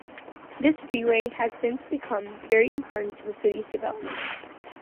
This Freeway has since become very important to the city's development.